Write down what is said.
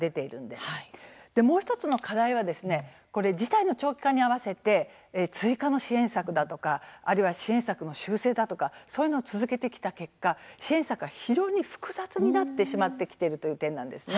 そして、もう１つの課題は事態の長期化に合わせて追加の支援策であったりあるいは支援策の修正であったりそういうことを続けてきた結果支援策が非常に複雑になってきているという点なんです。